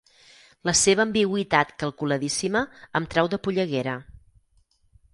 La seva ambigüitat calculadíssima em treu de polleguera.